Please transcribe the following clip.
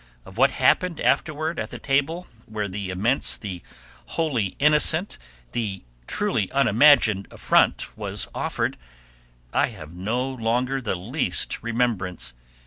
Of what happened afterward at the table where the immense, the wholly innocent, the truly unimagined affront was offered, I have no longer the least remembrance.